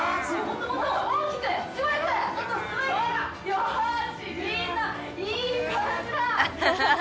よーし、みんないい感じだ！